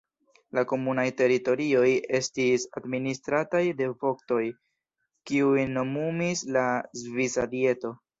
La komunaj teritorioj estis administrataj de voktoj, kiujn nomumis la Svisa Dieto.